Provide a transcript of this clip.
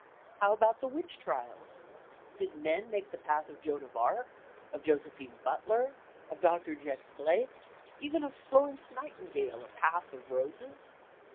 How about the witch trials? Did men make the path of Joan of Arc, of Josephine Butler, of Doctor Jex Blake, even of Florence Nightingale a path of roses?